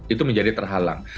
itu menjadi terhalang